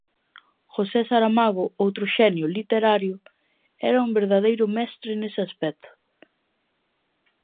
José Saramago, outro xenio literario, era un verdadeiro mestre nese aspecto.